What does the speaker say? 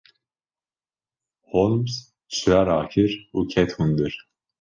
Holmes çira rakir û ket hundir.